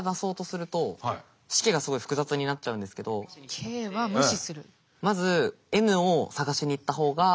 ｋは無視する。